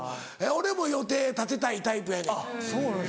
俺も予定立てたいタイプやねん。